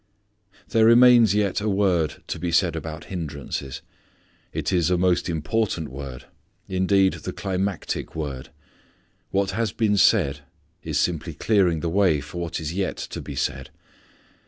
There remains yet a word to be said about hindrances. It is a most important word; indeed the climactic word. What has been said is simply clearing the way for what is yet to be said.